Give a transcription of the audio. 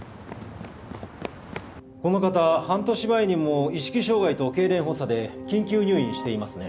この方半年前にも意識障害と痙攣発作で緊急入院していますね。